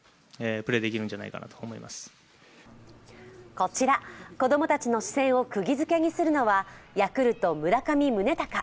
こちら子供たちの視線をくぎづけにするのはヤクルト・村上宗隆。